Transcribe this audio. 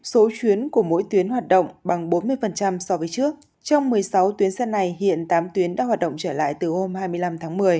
số chuyến của mỗi tuyến hoạt động bằng bốn mươi so với trước trong một mươi sáu tuyến xe này hiện tám tuyến đã hoạt động trở lại từ hôm hai mươi năm tháng một mươi